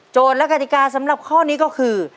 และกติกาสำหรับข้อนี้ก็คือ